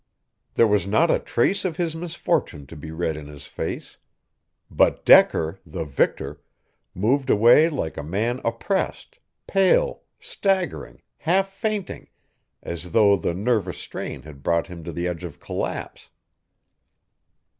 There was not a trace of his misfortune to be read in his face. But Decker, the victor, moved away like a man oppressed, pale, staggering, half fainting, as though the nervous strain had brought him to the edge of collapse.